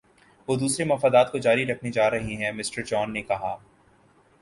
وہ دوسرے مفادات کو جاری رکھنے جا رہے ہیں مِسٹر جان نے کہا